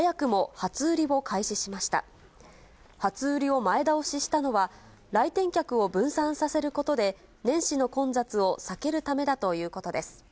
初売りを前倒ししたのは、来店客を分散させることで、年始の混雑を避けるためだということです。